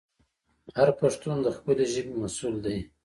هر پښتون د خپلې ژبې مسوول دی.